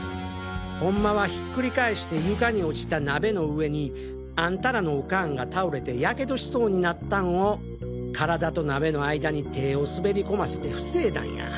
ホンマはひっくり返して床に落ちた鍋の上にアンタらのオカンが倒れて火傷しそうになったんを体と鍋の間に手ェを滑り込ませて防いだんや。